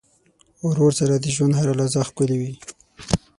ورور سره د ژوند هره لحظه ښکلي وي.